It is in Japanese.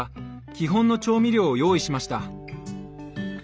基本の調味料を用意しました。